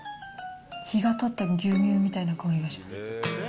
日がたった牛乳みたいな香りがします。